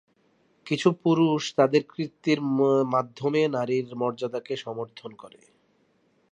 কিছু পুরুষ তাদের কীর্তির মাধ্যমে নারীর মর্যাদাকে সমর্থন করে।